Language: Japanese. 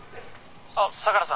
あっ相良さん